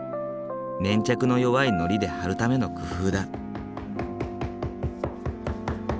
粘着の弱い糊で貼るための工夫だ。